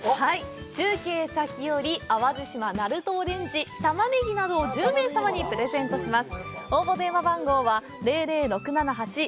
中継先より、淡路島なるとオレンジ、タマネギなどを１０名様にプレゼントします。